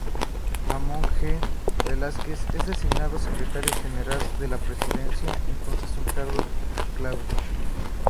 Ramón J. Velásquez es designado secretario general de la Presidencia, entonces un cargo clave.